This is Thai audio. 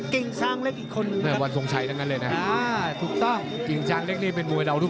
เกงชางเล็กนี่เป็นมวยเดาทุกตื่นตอนแหละนะ